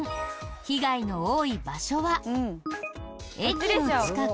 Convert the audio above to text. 被害の多い場所は駅の近く？